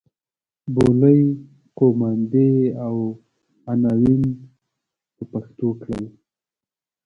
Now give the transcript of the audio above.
بولۍ قوماندې او عناوین په پښتو کړل.